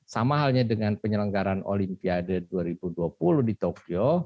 sama halnya dengan penyelenggaran olimpiade dua ribu dua puluh di tokyo